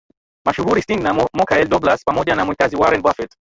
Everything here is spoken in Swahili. mashuhuri Sting na Mochael Dougals pamoja na mwekezaji Warren Buffet